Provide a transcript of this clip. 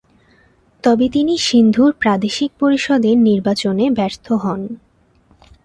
তবে তিনি সিন্ধুর প্রাদেশিক পরিষদের নির্বাচনে ব্যর্থ হন।